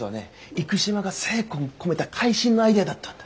生島がせいこん込めた会心のアイデアだったんだ。